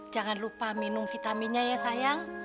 jangan lupa minum vitaminnya ya sayang